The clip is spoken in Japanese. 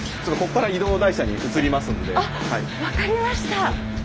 あ分かりました。